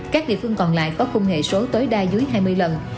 các địa phương còn lại có khung hệ số tối đa dưới hai mươi lần